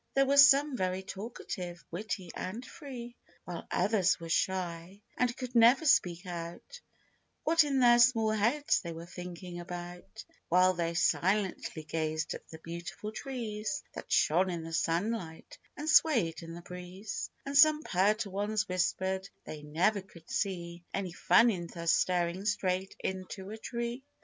There were some very talkative, witty, and free ; "While others were shy, and could never speak out, What in their small heads they were thinking about, While they silently gazed at the beautiful trees That shone in the sunlight, and swayed in the breeze ; And some perter ones whispered, they " never could see Any fun in thus staring straight into a tree